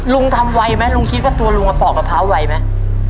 ทำไวไหมลุงคิดว่าตัวลุงมาปอกมะพร้าวไวไหม